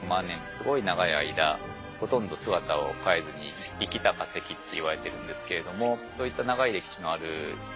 すごい長い間ほとんど姿を変えずに生きた化石っていわれてるんですけれどもそういった長い歴史のある生き物をね